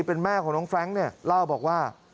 เป็นแม่ของน้องแฟรงค์เนี่ยเล่าบอกว่า